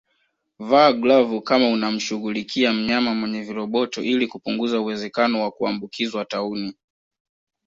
Vaa glavu kama unamshughulikia mnyama mwenye viroboto ili kupunguza uwezekano wa kuambukizwa tauni